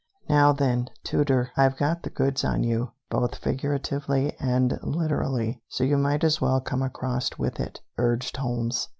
"Now then, Tooter, I've got the goods on you, both figuratively and literally, so you might as well come across with it," urged Holmes.